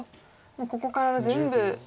もうここから全部。